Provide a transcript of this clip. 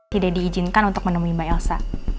tidak diizinkan untuk menemui mbak elsa